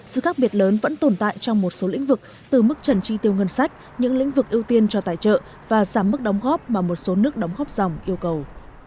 sự khác biệt lớn vẫn tồn tại trong một số lĩnh vực từ mức trần tri tiêu ngân sách những lĩnh vực ưu tiên cho tài trợ và giảm mức đóng góp mà một số nước đóng góp dòng yêu cầu